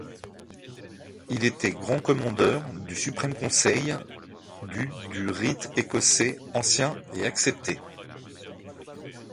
Il était Grand Commandeur du Suprême Conseil du du rite écossais ancien et accepté.